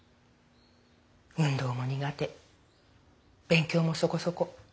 運動も苦手勉強もそこそこ。